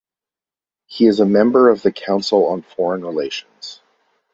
He is a member of the Council on Foreign Relations.